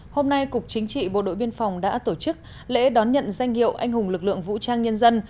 hôm nay cục chính trị bộ đội biên phòng đã tổ chức lễ đón nhận danh hiệu anh hùng lực lượng vũ trang nhân dân